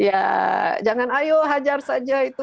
ya jangan ayo hajar saja itu